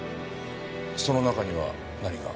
その中には何が？